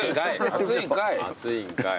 熱いんかい。